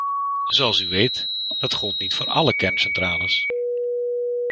Zoals u weet, dat gold niet voor alle kerncentrales.